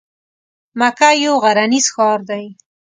مکه یو غرنیز ښار دی.